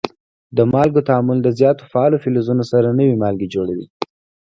د مالګو تعامل د زیاتو فعالو فلزونو سره نوي مالګې جوړوي.